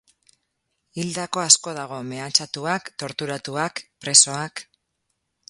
Hildako asko dago, mehatxatuak, torturatuak, presoak...